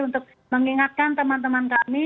untuk mengingatkan teman teman kami